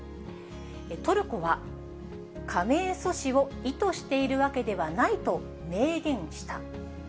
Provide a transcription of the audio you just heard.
トルコは加盟阻止を意図しているわけではないと明言した。